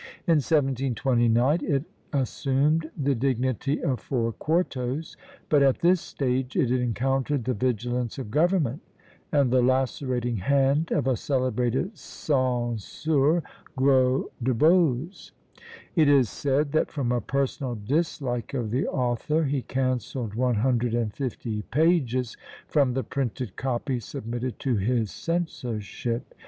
In 1729 it assumed the dignity of four quartos; but at this stage it encountered the vigilance of government, and the lacerating hand of a celebrated censeur, Gros de Boze. It is said, that from a personal dislike of the author, he cancelled one hundred and fifty pages from the printed copy submitted to his censorship.